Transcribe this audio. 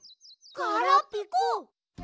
ガラピコ！